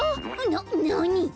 ななに？